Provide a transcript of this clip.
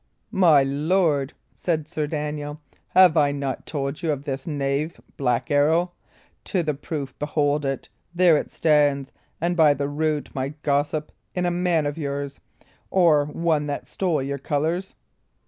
"My lord," said Sir Daniel, "have I not told you of this knave Black Arrow? To the proof, behold it! There it stands, and, by the rood, my gossip, in a man of yours, or one that stole your colours!"